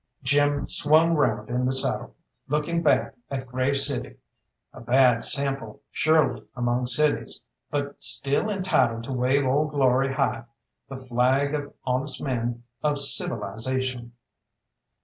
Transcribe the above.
Jim swung round in the saddle, looking back at Grave City, a bad sample surely among cities, but still entitled to wave Old Glory high, the flag of honest men, of civilisation.